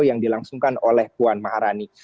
yang dilangsungkan oleh puan maharani